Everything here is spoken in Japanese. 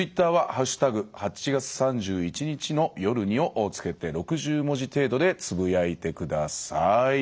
Ｔｗｉｔｔｅｒは「＃８月３１日の夜に」を付けて６０文字程度でつぶやいて下さい。